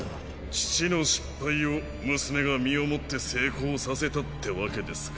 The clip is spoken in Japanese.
父の失敗を娘が身をもって成功させたってわけですか。